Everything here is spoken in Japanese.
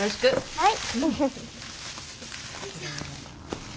はい。